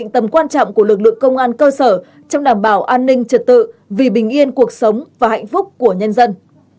tầm quan trọng của lực lượng công an cơ sở trong đảm bảo an ninh trật tự vì bình yên cuộc sống và hạnh phúc của nhân dân